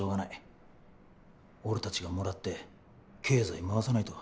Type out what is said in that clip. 俺たちがもらって経済回さないと。